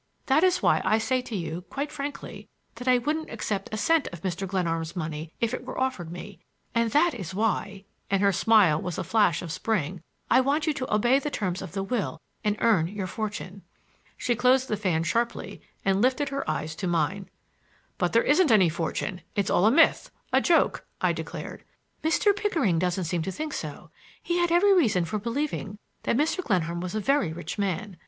That is why I say to you, quite frankly, that I wouldn't accept a cent of Mr. Glenarm's money if it were offered me; and that is why,"—and her smile was a flash of spring,—"I want you to obey the terms of the will and earn your fortune." She closed the fan sharply and lifted her eyes to mine. "But there isn't any fortune! It's all a myth, a joke," I declared. "Mr. Pickering doesn't seem to think so. He had every reason for believing that Mr. Glenarm was a very rich man.